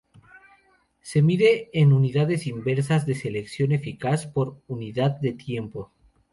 Se mide en unidades inversas de sección eficaz por unidad de tiempo.